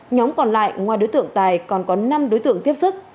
nhóm còn lại ngoài đối tượng tài còn có năm đối tượng tiếp sức